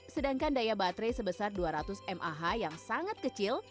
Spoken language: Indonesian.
sedangkan daya baterai sebesar dua ratus mah yang sangat kecil